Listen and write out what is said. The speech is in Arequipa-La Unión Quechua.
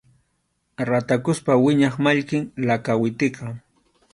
Ratakuspa wiñaq mallkim lakawitiqa.